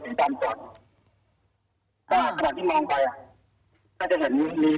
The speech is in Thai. ต้นอีกคนนึงก็เดินมาจากข้างหลังรถแล้วก็เดินมาอยู่ข้างหน้า